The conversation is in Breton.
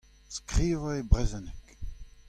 Skrivañ e brezhoneg.